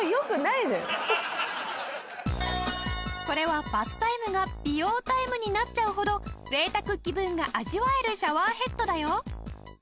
これはバスタイムが美容タイムになっちゃうほど贅沢気分が味わえるシャワーヘッドだよ。